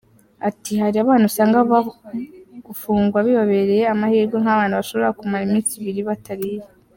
Ati “Hari abana usanga gufungwa bibabereye amahirwe nk’abana bashobora kumara iminsi ibiri batariye.